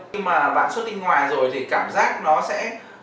khi mà bạn xuất tinh ngoài rồi thì cảm giác nó sẽ